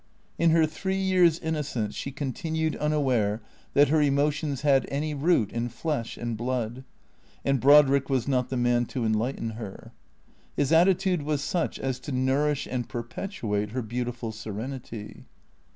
In her three years' inno cence she continued unaware that her emotions had any root in flesh and blood ; and Brodrick was not the man to enlighten her. His attitude was such as to nourish and perpetuate her beautiful serenity.